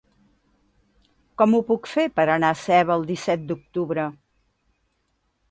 Com ho puc fer per anar a Seva el disset d'octubre?